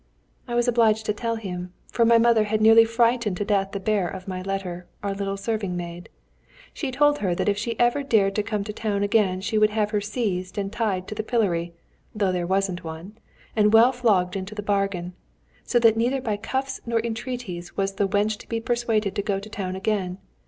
"I was obliged to tell him, for my mother had nearly frightened to death the bearer of my letter, our little serving maid. She told her that if she ever dared to come to town again she would have her seized and tied to the pillory (though there wasn't one), and well flogged into the bargain; so that neither by cuffs nor entreaties was the wench to be persuaded to go to town again.